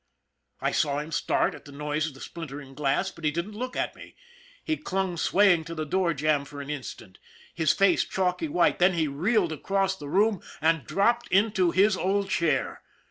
I saw him start at the noise of the splintering glass, but he didn't look at me. He clung swaying to the door jamb for an instant, his face chalky white, then he reeled across the room and dropped into his old chair.